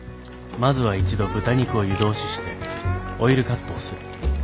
まずは一度豚肉を湯通ししてオイルカットをする